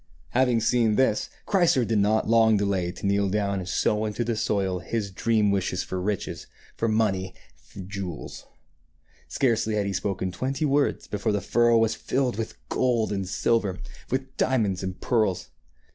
Having seen this, Chrysor did not long delay to kneel down and sow into the soil his dream wishes for riches, for money and jewels. Scarcely had he spoken twenty words before the furrow was filled with gold and silver, with diamonds and pearls.